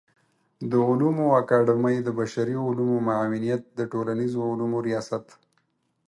د علومو اکاډمۍ د بشري علومو معاونيت د ټولنيزو علومو ریاست